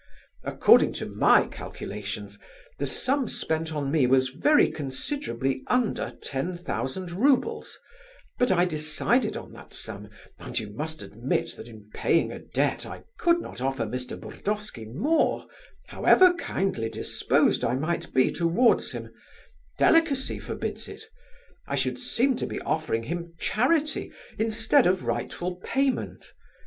According to my calculations, the sum spent on me was very considerably under ten thousand roubles, but I decided on that sum, and you must admit that in paying a debt I could not offer Mr. Burdovsky more, however kindly disposed I might be towards him; delicacy forbids it; I should seem to be offering him charity instead of rightful payment.